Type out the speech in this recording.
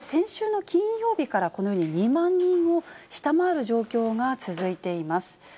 そして先週の金曜日から、このように２万人を下回る状況が続いています。